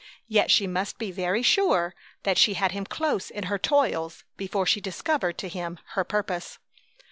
Yet she must be very sure that she had him close in her toils before she discovered to him her purpose.